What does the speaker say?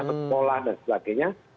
kepolah dan sebagainya